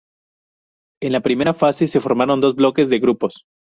En la primera fase se formaron dos bloques de grupos.